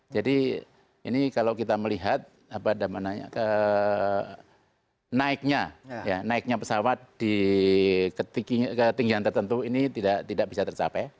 jadi ini kalau kita melihat apa namanya ke naiknya ya naiknya pesawat di ketinggian tertentu ini tidak tidak bisa tercapai